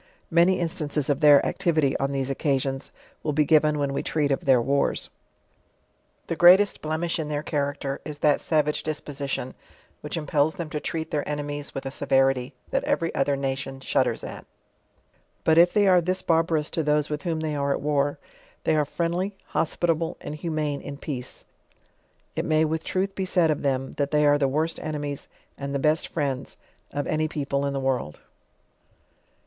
Many instances of their activity, on these occasions, will be given when we treat of their wars. The greatest blemish in their character, ig that eavage disposition, which impels them to treat their enemies with a severity, that every other nation ehudders at; but if they are th IB barbarous to those with whom they are at war, they are friendly, hospitable and humane in peace. It may with truth be siid of them, that they are the worst enemies, and the best friends of any peopte ia the world.